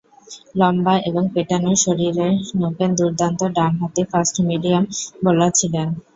লম্বা এবং পেটানো শরীরের নুপেন দুর্দান্ত ডানহাতি ফাস্ট মিডিয়াম বোলার ছিলেন।